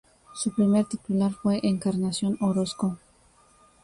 Su primera titular fue Encarnación Orozco.